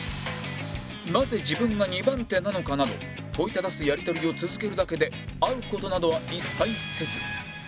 なぜ自分が２番手なのかなど問いただすやり取りを続けるだけで会う事などは一切せず